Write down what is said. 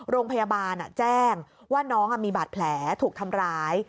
โรงพยาบาลแจ้งว่าน้องมีบาดแผลถูกทำร้าย